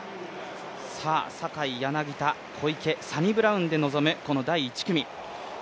坂井、柳田、小池、サニブラウンで臨むこの第１組。